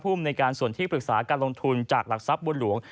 ในการส่วนที่ปรึกษาการลงทุนจากหลักทรัพย์บุญหลวง